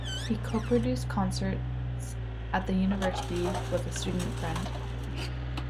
He co-produced concerts at the university with a student friend.